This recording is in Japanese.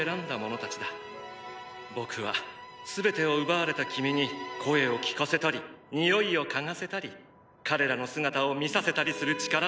僕は全てを奪われた君に声を聞かせたり匂いを嗅がせたり彼らの姿を見させたりする力を与えた。